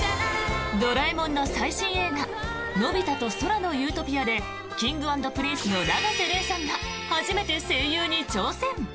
「ドラえもん」の最新映画「のび太と空の理想郷」でＫｉｎｇ＆Ｐｒｉｎｃｅの永瀬廉さんが初めて声優に挑戦。